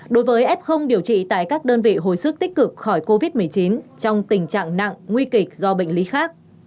đối với f điều trị tại các đơn vị hồi sức tích cực khỏi covid một mươi chín trong tình trạng nặng nguy kịch do bệnh lý khác